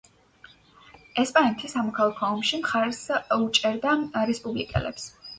ესპანეთის სამოქალაქო ომში მხარს უჭერდა რესპუბლიკელებს.